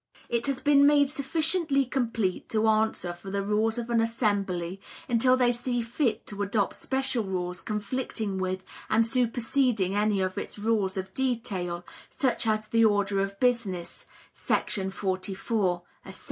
It has been made sufficiently complete to answer for the rules of an assembly, until they see fit to adopt special rules conflicting with and superseding any of its rules of detail, such as the Order of Business [§ 44], etc.